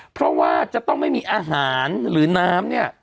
เพราะว่าจะต้องไม่มีอาหารหรือน้ำเนี่ย